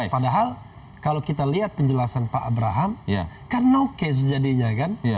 padahal kalau kita lihat penjelasan pak abraham kan now case jadinya kan